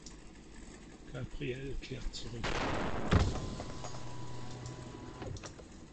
Gabrielle kehrt zurück.